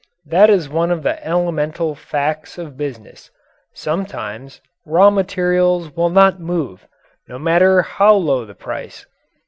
That is one of the elemental facts of business. Sometimes raw materials will not move, no matter how low the price.